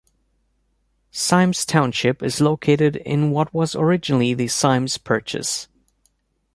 Symmes Township is located in what was originally the Symmes Purchase.